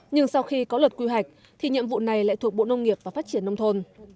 nhưng sau khi có luật quy hoạch thì nhiệm vụ này lại thuộc bộ nông nghiệp và phát triển nông thôn